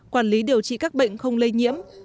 quản lý điều trị các bệnh không lây nhiễm